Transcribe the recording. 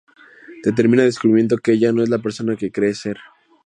Termina descubriendo que ella no es la persona que cree ser.